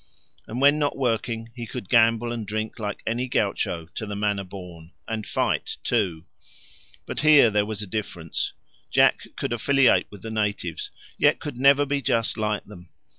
And when not working he could gamble and drink like any gaucho to the manner born and fight too. But here there was a difference. Jack could affiliate with the natives, yet could never be just like them.